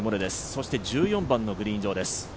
そして、１４番のグリーン上です。